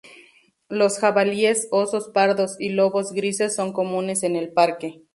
Los jabalíes, osos pardos y lobos grises son comunes en el parque.